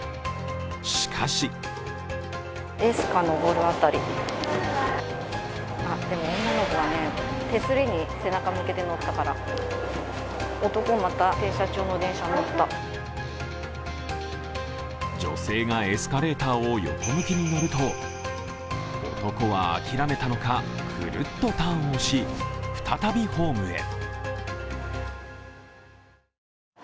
しかし女性がエスカレーターを横向きに乗ると男はあきらめたのか、クルッとターンをし、再びホームへ。